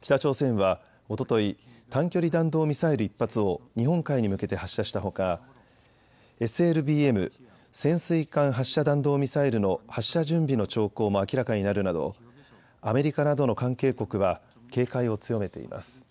北朝鮮はおととい、短距離弾道ミサイル１発を日本海に向けて発射したほかＳＬＢＭ・潜水艦発射弾道ミサイルの発射準備の兆候も明らかになるなどアメリカなどの関係国は警戒を強めています。